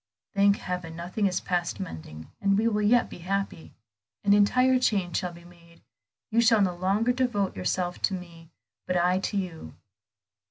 "Thank heaven, nothing is past mending, and we will yet be happy. An entire change shall be made; you shall no longer devote yourself to me, but I to you.